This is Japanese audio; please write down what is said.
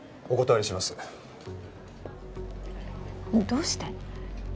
どうして？